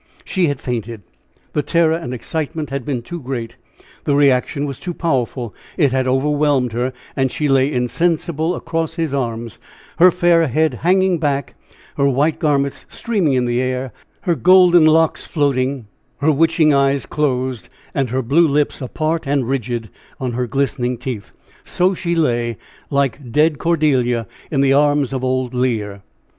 She had fainted the terror and excitement had been too great the reaction was too powerful it had overwhelmed her, and she lay insensible across his arms, her fair head hanging back, her white garments streaming in the air, her golden locks floating, her witching eyes closed, and her blue lips apart and rigid on her glistening teeth so she lay like dead Cordelia in the arms of old Lear.